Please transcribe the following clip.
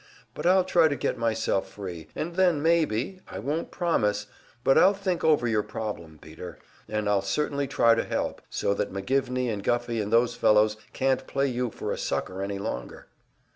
But I'll try to get myself free, and then maybe I won't promise, but I'll think over your problem, Peter, and I'll certainly try to help, so that McGivney and Guffey and those fellows can't play you for a sucker any longer."